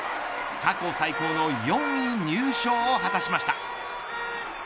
過去最高の４位入賞を果たしました。